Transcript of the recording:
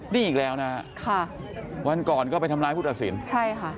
นี่อีกแล้วนะฮะค่ะวันก่อนก็ไปทำร้ายผู้ตัดสินใช่ค่ะ